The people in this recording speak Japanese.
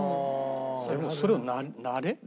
でもそれを慣れない？